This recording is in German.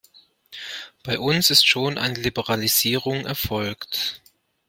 Bei uns ist schon eine Liberalisierung erfolgt.